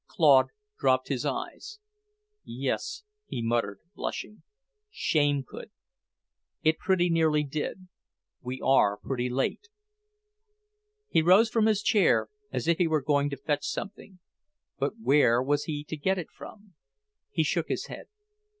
Claude dropped his eyes. "Yes," he muttered, blushing, "shame could. It pretty nearly did. We are pretty late." He rose from his chair as if he were going to fetch something.... But where was he to get it from? He shook his head.